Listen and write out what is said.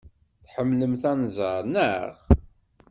Tḥemmlemt anẓar, naɣ?